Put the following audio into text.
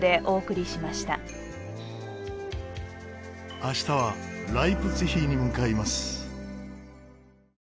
明日はライプツィヒに向かいます。